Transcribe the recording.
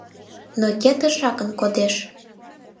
Но кӧ тышакын кодеш?